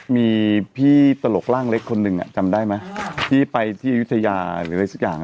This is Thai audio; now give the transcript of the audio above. มีพี่ตลกร่างเล็กคนหนึ่งจำได้ไหมที่ไปที่อายุทยาหรืออะไรสักอย่าง